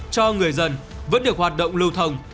cho người dân vẫn được hoạt động lưu thông